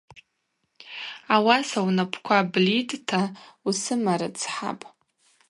Ауаса унапӏква блитӏта усымарыцхӏапӏ.